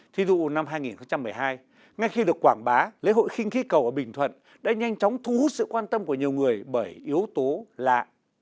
thí dụ năm hai nghìn một mươi hai ngay khi được quảng bá lễ hội khinh khí cầu ở bình thuận đã nhanh chóng thu hút sự quan tâm của nhiều người bởi yếu tố lạ